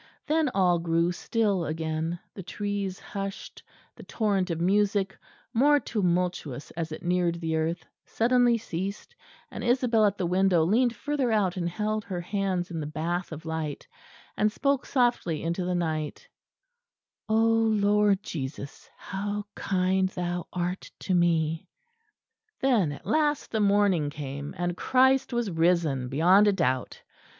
Then all grew still again; the trees hushed; the torrent of music, more tumultuous as it neared the earth, suddenly ceased; and Isabel at the window leaned further out and held her hands in the bath of light; and spoke softly into the night: "Oh, Lord Jesus, how kind Thou art to me!" Then at last the morning came, and Christ was risen beyond a doubt.